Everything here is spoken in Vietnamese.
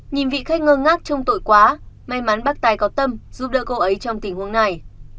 nhìn vị khách ngơ ngát trong tội quá may mắn bác tài có tâm giúp đỡ cô ấy trong tình huống này